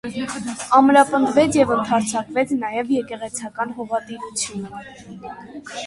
Ամրապնդվեց և ընդարձակվեց նաև եկեղեցական հողատիրությունը։